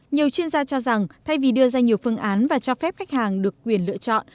nhiều chuyên gia cho rằng thay vì đưa ra nhiều phương án và cho phép khách hàng được quyền lựa chọn